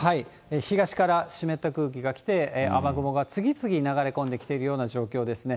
東から湿った空気が来て、雨雲が次々に流れ込んできているような状況ですね。